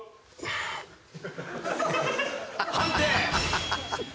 判定！